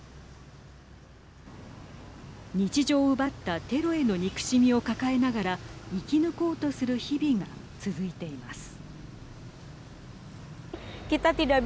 日常を奪ったテロへの憎しみを抱えながら生き抜こうとする日々が続いています。